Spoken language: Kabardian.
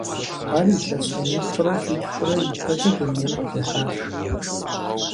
Ар илъэс миниплӏрэ щитхурэ ипэкӀэ дунейм къытехьащ.